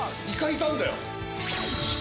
イカいたんだよ。